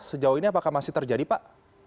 sejauh ini apakah masih terjadi pak